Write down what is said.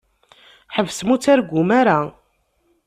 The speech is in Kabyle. Ḥebsem ur ttargum ara.